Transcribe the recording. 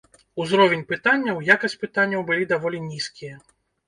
Узровень пытанняў, якасць пытанняў былі даволі нізкія.